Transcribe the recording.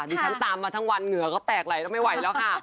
ดิฉันตามมาทั้งวันเหงื่อก็แตกไหลแล้วไม่ไหวแล้วค่ะ